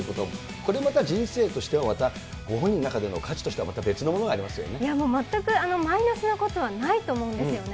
これまた人生としてはまたご本人の中での価値としてはまた別のも全くマイナスなことはないと思うんですよね。